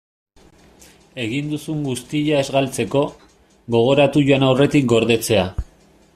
Egin duzun guztia ez galtzeko, gogoratu joan aurretik gordetzea.